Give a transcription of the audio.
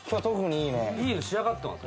いいの仕上がってます。